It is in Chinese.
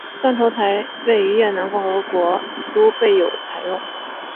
断头台于越南共和国都有被采用。